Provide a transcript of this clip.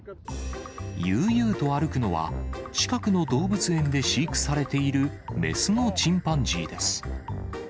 悠々と歩くのは、近くの動物園で飼育されている雌のチンパンジーです。